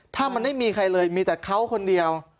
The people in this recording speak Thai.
ถ้ามันไม่มีใครเลยมีแต่เขาคนเดียว